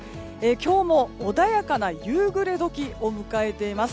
今日も穏やかな夕暮れ時を迎えています。